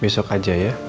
besok aja ya